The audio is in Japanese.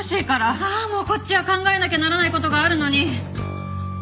ああもうこっちは考えなきゃならない事があるのに。